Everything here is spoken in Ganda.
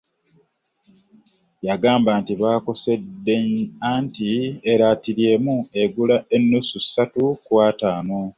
Yangamba nti bakusedde anti eratiri emu egula nnusu ssatu ku ataano.